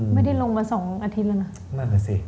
ไม่ได้ลงมา๒อาทิตย์แล้วนะ